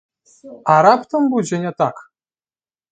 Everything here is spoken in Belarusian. А раптам будзе не так?